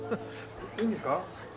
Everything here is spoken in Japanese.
いいんですか？